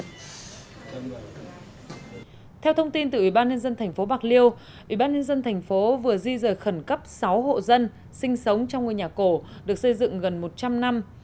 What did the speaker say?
theo thông tin từ ủy ban nhân dân tp bạc liêu ủy ban nhân dân thành phố vừa di rời khẩn cấp sáu hộ dân sinh sống trong ngôi nhà cổ được xây dựng gần một trăm linh năm